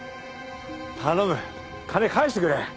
頼む金返してくれ。